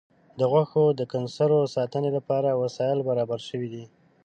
د غوښو د کنسرو ساتنې لپاره وسایل برابر شوي دي.